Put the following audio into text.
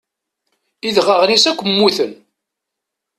Idɣaɣen-is akk mmuten.